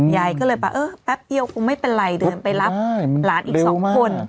ยายก็เลยแบบเออแป๊บเดียวคงไม่เป็นไรเดินไปรับหลานอีก๒คน